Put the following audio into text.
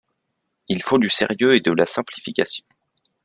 Il faut du sérieux et de la simplification.